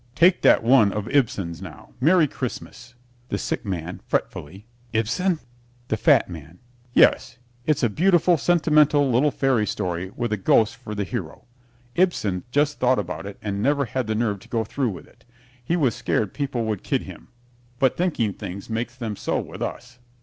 Take that one of Ibsen's now, "Merry Christmas" THE SICK MAN (fretfully) Ibsen? THE FAT MAN Yes, it's a beautiful, sentimental little fairy story with a ghost for the hero. Ibsen just thought about it and never had the nerve to go through with it. He was scared people would kid him, but thinking things makes them so with us.